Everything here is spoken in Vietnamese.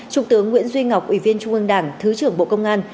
trung tướng nguyễn duy ngọc ủy viên trung ương đảng thứ trưởng bộ công an